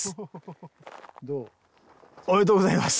おめでとうございます。